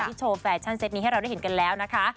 โชว์แฟชั่นเต็ตนี้ให้เราได้เห็นกันแล้วนะคะ